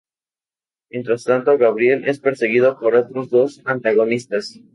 Mientras tanto, Gabriel es perseguido por otros dos antagonistas.